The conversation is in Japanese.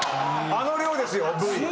あの量ですよブリ。